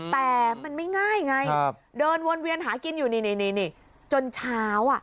แต่มันไม่ง่ายไงเดินวนเวียนหากินอยู่นี่จนเช้า